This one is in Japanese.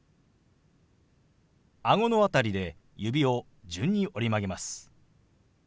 顎の辺りで指を順に折り曲げます。